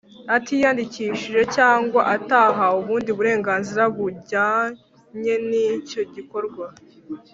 atiyandikishije cyangwa atahawe ubundi burenganzira bujyanye n’icyo gikorwa;